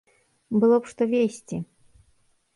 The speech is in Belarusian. Было б што везці.